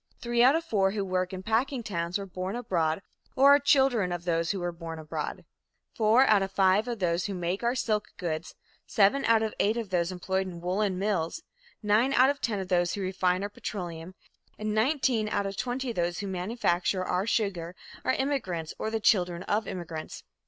Three out of four who work in packing towns were born abroad or are children of those who were born abroad; four out of five of those who make our silk goods, seven out of eight of those employed in woolen mills, nine out of ten of those who refine our petroleum, and nineteen out of twenty of those who manufacture our sugar are immigrants or the children of immigrants."